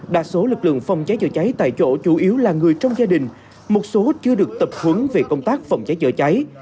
đa số lực lượng phòng cháy chữa cháy tại chỗ chủ yếu là người trong gia đình một số chưa được tập huấn về công tác phòng cháy chữa cháy